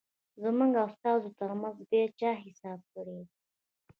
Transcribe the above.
زموږ او ستاسو ترمنځ بیا چا حساب کړیدی؟